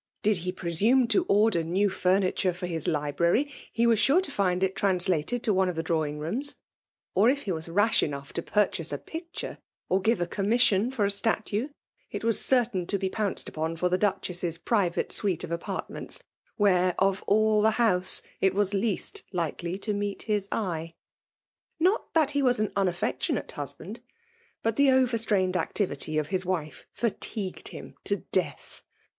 Did he pre* sume to order new furniture for his library, he was sure to find it translated to one of the drawing rooms ; or if he was rash enough to purchase a picture, or give a commission for a statue, it was certain to be pounced upon for the Duchess's private suite of apartments ; where, of all the house, it was least likely to meet his eye. Not that he was an unaffectionate husband ; but the overstrained activity of his wife fatigued him to death.